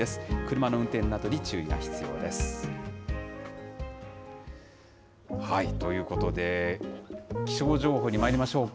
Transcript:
車の運転などに注意が必要です。ということで、気象情報にまいりましょうか。